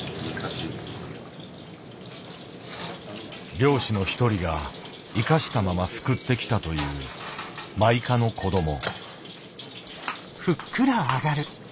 漁師の一人が生かしたまますくってきたというマイカの子ども。